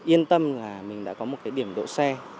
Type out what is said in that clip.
yên tâm là mình đã có một cái điểm đỗ xe